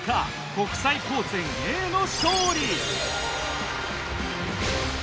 国際高専Ａの勝利。